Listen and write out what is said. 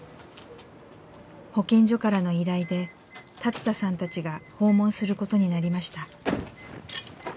保健所からの依頼で龍田さんたちが訪問することになりました。